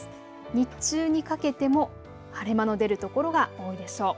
日中にかけても晴れ間の出る所が多いでしょう。